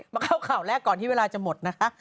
มาเข้าข่าวแรกก่อนที่เวลาจะหมดนะคะ